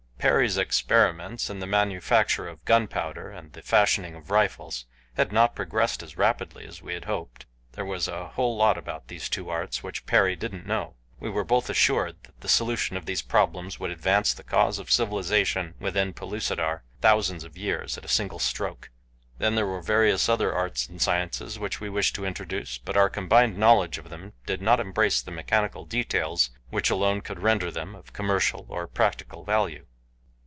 Perry's experiments in the manufacture of gunpowder and the fashioning of rifles had not progressed as rapidly as we had hoped there was a whole lot about these two arts which Perry didn't know. We were both assured that the solution of these problems would advance the cause of civilization within Pellucidar thousands of years at a single stroke. Then there were various other arts and sciences which we wished to introduce, but our combined knowledge of them did not embrace the mechanical details which alone could render them of commercial, or practical value.